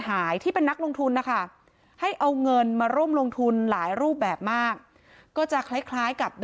หายที่เป็นนักลงทุนนะคะให้เอาเงินมาร่วมลงทุนหลายรูปแบบมากก็จะคล้ายกับ